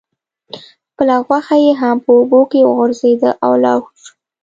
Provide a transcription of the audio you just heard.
خپله غوښه یې هم په اوبو کې وغورځیده او لاهو شوه.